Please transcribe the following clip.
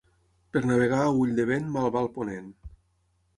Per navegar a ull de vent mal va el ponent.